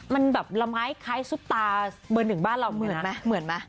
มันแบบละไม้คล้ายสุดตาเมืองหนึ่งบ้านเราเหมือนมั้ย